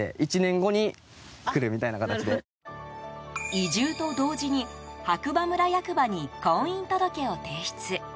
移住と同時に白馬村役場に婚姻届を提出。